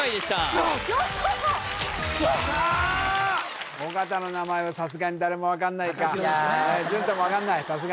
さあ尾形の名前はさすがに誰も分かんないか貴弘ですね